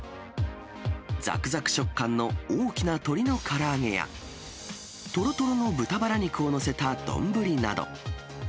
ざくざく食感の大きな鶏のから揚げや、とろとろの豚バラ肉を載せた丼など。